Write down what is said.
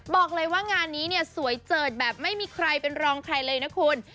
บอกเลยว่างานนี้เนี่ยสวยเจิดแบบไม่มีใครเป็นรองใครเลยนะคุณ